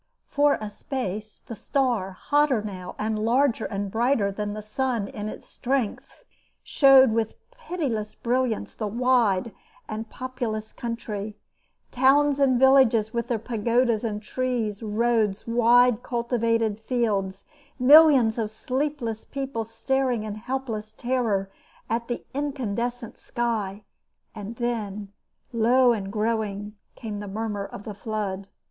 For a space the star, hotter now and larger and brighter than the sun in its strength, showed with pitiless brilliance the wide and populous country; towns and villages with their pagodas and trees, roads, wide cultivated fields, millions of sleepless people staring in helpless terror at the incandescent sky; and then, low and growing, came the murmur of the flood.